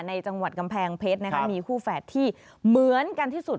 จังหวัดกำแพงเพชรมีคู่แฝดที่เหมือนกันที่สุด